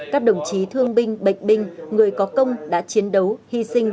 các đồng chí thương binh bệnh binh người có công đã chiến đấu hy sinh